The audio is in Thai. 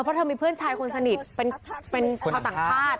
เพราะเธอมีเพื่อนชายคนสนิทเป็นชาวต่างชาติ